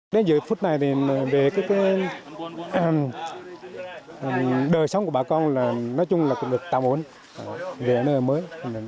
đến giờ phút này thì về đời sống của bà con là nói chung là cũng được tạm ổn về nơi ở mới